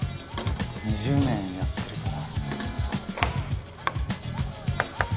「２０年やってるから」